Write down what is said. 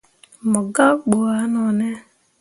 Mo gak ɓu ah none.